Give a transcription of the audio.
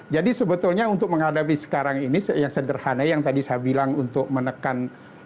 jadi sebetulnya untuk menghadapi sekarang ini yang sederhana yang tadi saya bilang untuk menekan